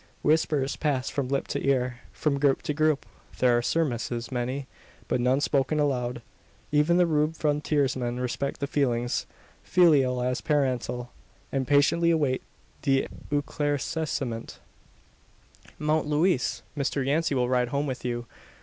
Whispers pass from lip to ear from group to group. There are surmises many, but none spoken aloud. Even the rude frontiersmen respect the feelings filial as parental and patiently await the eclaircissement. "Mount, Louise! Mr Yancey will ride home with you."